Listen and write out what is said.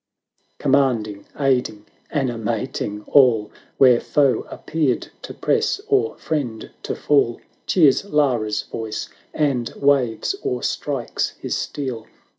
Commanding — aiding — animating all. Where foe appeared to press, or friend to fall. Cheers Lara's voice, and waves or strikes his steel.